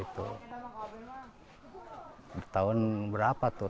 tahun berapa tuh